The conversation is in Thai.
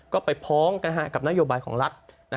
ก็ไปพ้องกับนโยบายของรัฐ